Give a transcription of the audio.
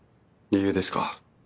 理由ですか。